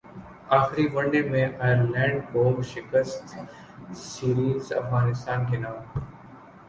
اخری one day میں Ireland کو شکستسیریز افغانستان کے نام